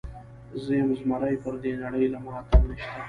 زۀ يم زمری پر دې نړۍ له ما اتل نيشته